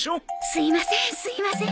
すいませんすいません。